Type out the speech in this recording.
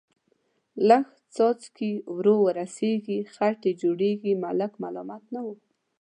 لږ څاڅکي ور ورسېږي، خټې جوړېږي، ملک ملامت نه و.